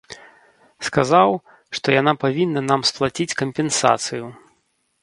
Сказаў, што яна павінна нам сплаціць кампенсацыю.